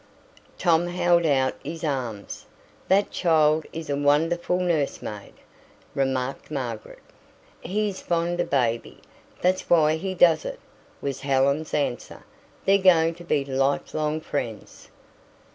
Tom held out his arms. "That child is a wonderful nursemaid," remarked Margaret. "He is fond of baby. That's why he does it!" was Helen's answer. They're going to be lifelong friends."